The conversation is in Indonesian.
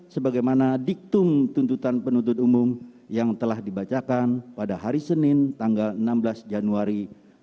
sebagaimana diktum tuntutan penuntut umum yang telah dibacakan pada hari senin tanggal enam belas januari dua ribu dua puluh